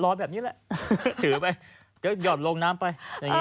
ลอยแบบนี้แหละถือไปยอดลงน้ำไป